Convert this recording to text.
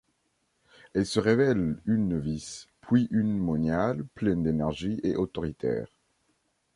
Elle se révèle une novice, puis une moniale pleine d'énergie et autoritaire.